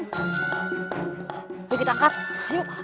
hukum yang aman di courts